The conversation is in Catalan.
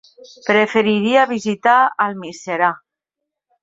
Preferiria visitar Almiserà.